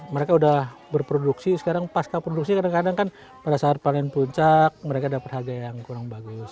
mereka sudah berproduksi sekarang pasca produksi kadang kadang kan pada saat panen puncak mereka dapat harga yang kurang bagus